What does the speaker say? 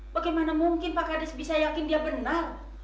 bagaimana mungkin pak kades bisa yakin dia benar